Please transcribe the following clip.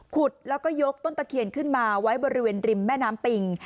ขุดแล้วก็ยกต้นตะเคียนขึ้นมาไว้บริเวณริมแม่น้ำปิง